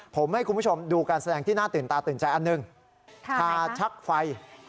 ผมให้คุณผู้ชมดูการแสดงที่น่าตื่นตาตื่นใจอันหนึ่งทาชักไฟ